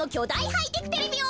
ハイテクテレビを。